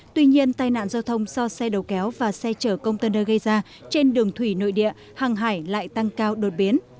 tuy nhiên tài nạn giao thông do xe đầu kéo và xe chở công tân đơ gây ra trên đường thủy nơi địa hàng hải lại tăng cao đột biến